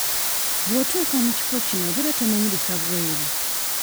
Bw'otuuka mu kifo kino obeera tomanyi bifa bweru.